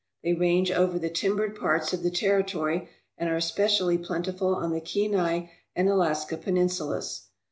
They range over the timbered parts of the territory and are especially plentiful on the Kenai and Alaska penin sulas.